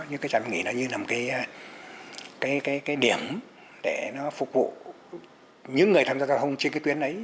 những trạm dừng nghỉ như là một cái điểm để nó phục vụ những người tham gia giao thông trên cái tuyến ấy